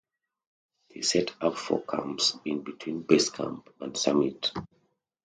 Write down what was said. They set up four camps in between base camp and summit.